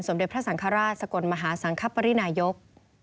เด็จพระสังฆราชสกลมหาสังคปรินายก